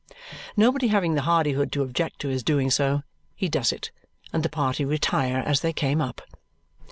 Nobody having the hardihood to object to his doing so, he does it, and the party retire as they came up.